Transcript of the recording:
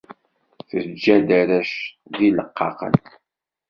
Teǧǧa-d arrac d ileqqaqen.